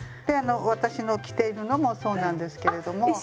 であの私の着ているのもそうなんですけれども。